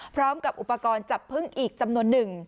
พร้อมกับอุปกรณ์จับพึ่งอีกจำนวนหนึ่ง